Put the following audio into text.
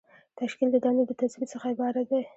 تشکیل د دندو د تثبیت څخه عبارت دی.